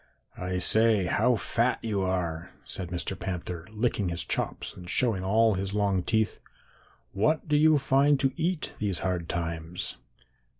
"'I say, how fat you are,' said Mr. Panther, licking his chops and showing all his long teeth. 'What do you find to eat these hard times?'